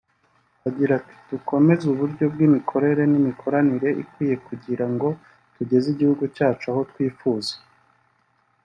Agira ati “Dukomeze uburyo bw’imikorere n’imikoranire ikwiye kugira ngo tugeze igihugu cyacu aho twifuza